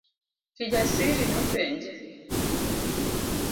Kijasiri nopenje.